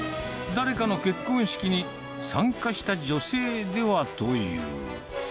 誰かの結婚式に参加した女性ではという。